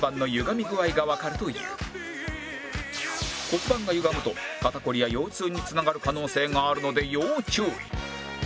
骨盤が歪むと肩こりや腰痛につながる可能性があるので要注意